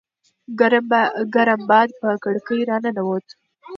ګرم باد په کړکۍ راننووت.